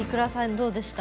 どうでした？